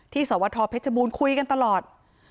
ที่สวทอพแพทชบูรณ์คุยกันตลอด